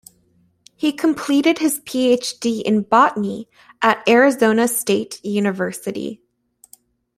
He completed his Ph.D. in Botany at Arizona State University.